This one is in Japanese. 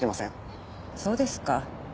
そうですか。